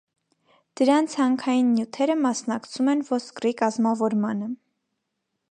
Դրանց հանքային նյութերը մասնակցում են ոսկրի կազմավորմանը։